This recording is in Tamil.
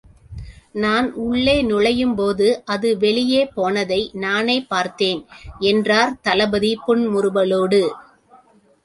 நான் உள்ளே நுழையும் போது அது வெளியே போனதை நானே பார்த்தேன் என்றார் தளபதி புன்முறுவலோடு.